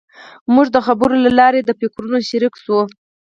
موږ د خبرو له لارې د فکرونو شریک شوو.